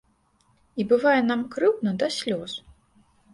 І бывае нам крыўдна да слёз.